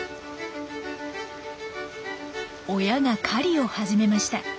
親が狩りを始めました。